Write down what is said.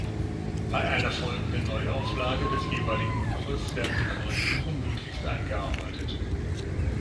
Bei einer folgenden Neuauflage des jeweiligen Buches werden die Korrekturen möglichst eingearbeitet.